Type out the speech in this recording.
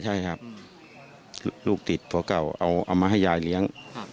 ใช่ครับลูกติดผัวเก่าเอามาให้ยายเลี้ยง